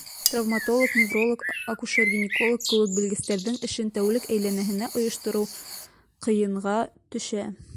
Травматолог, невролог, акушер-гинеколог кеүек белгестәрҙең эшен тәүлек әйләнәһенә ойоштороу ҡыйынға төшә.